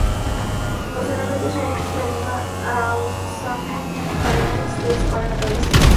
Posteriormente, Shane reanima a un zombi y Carl Grimes le dispara en la cabeza.